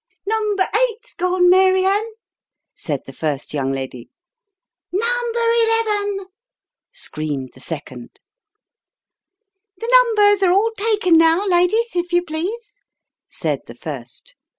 " Number eight's gone, Mary Ann," said the first young lady. " Number eleven !" screamed the second. " The numbers are all taken now, ladies, if you please," said the first.